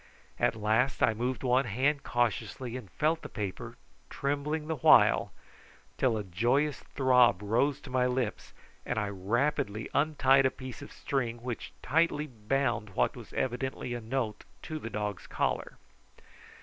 At last I moved one hand cautiously and felt the paper, trembling the while, till a joyous throb rose to my lips, and I rapidly untied a piece of string which tightly bound what was evidently a note to the dog's collar.